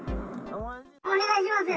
お願いしますよ。